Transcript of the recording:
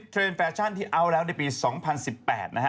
เทรนดแฟชั่นที่เอาแล้วในปี๒๐๑๘นะฮะ